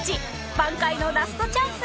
挽回のラストチャンス！